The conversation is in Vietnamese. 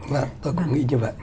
vâng tôi cũng nghĩ như vậy